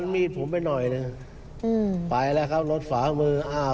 มีดผมไปหน่อยหนึ่งไปแล้วครับรถฝามืออ้าว